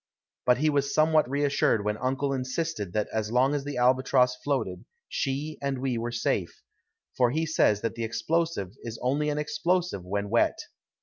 But he was somewhat reassured when uncle insisted that as long as the Albatross floated she and we were safe; for he says that the explosive is only an explosive when wet.